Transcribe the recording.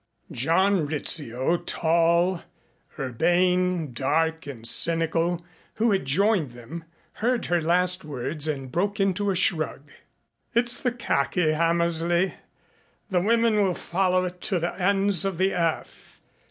John Rizzio, tall, urbane, dark and cynical, who had joined them, heard her last words and broke into a shrug. "It's the khaki, Hammersley. The women will follow it to the ends of the earth.